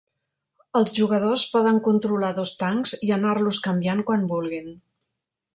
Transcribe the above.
Els jugadors poden controlar dos tancs i anar-los canviant quan vulguin.